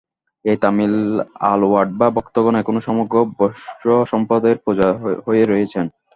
এই তামিল আলওয়াড় বা ভক্তগণ এখনও সমগ্র বৈষ্ণবসম্প্রদায়ের পূজ্য হয়ে রয়েছেন।